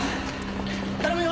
頼むよ！